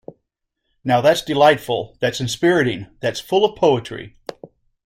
Now that's delightful, that's inspiriting, that's full of poetry!